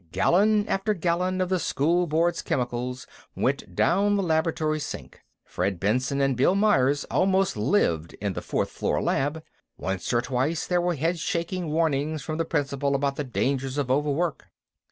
Gallon after gallon of the School Board's chemicals went down the laboratory sink; Fred Benson and Bill Myers almost lived in the fourth floor lab. Once or twice there were head shaking warnings from the principal about the dangers of over work.